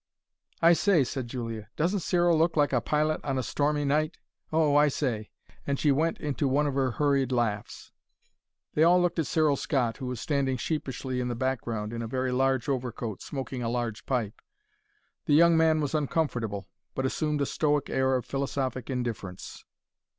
"I say," said Julia, "doesn't Cyril look like a pilot on a stormy night! Oh, I say !" and she went into one of her hurried laughs. They all looked at Cyril Scott, who was standing sheepishly in the background, in a very large overcoat, smoking a large pipe. The young man was uncomfortable, but assumed a stoic air of philosophic indifference.